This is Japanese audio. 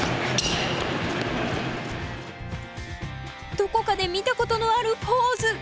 どこかで見たことのあるポーズ。